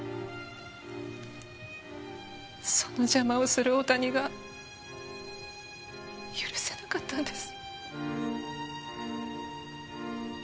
その邪魔をする大谷が許せなかったんです。